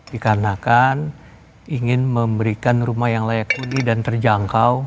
dikarenakan ingin memberikan rumah yang layak budi dan terjangkau